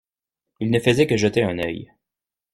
Elle ne faisait que jeter un œil.